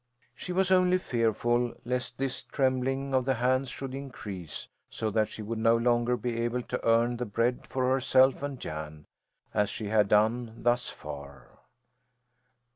She was only fearful lest this trembling of the hands should increase so that she would no longer be able to earn the bread for herself and Jan, as she had done thus far.